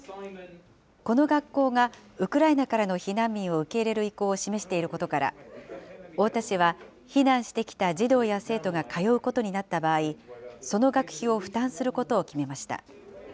この学校がウクライナからの避難民を受け入れる意向を示していることから、太田市は避難してきた児童や生徒が通うことになった場合、その学費を負担することを決めました。